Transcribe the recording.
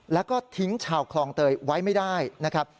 แล้วก็ทิ้งชาวคลองเตยไว้ไม่ได้นะครับ